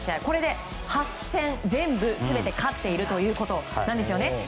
これで８戦全部勝っているということなんですよね。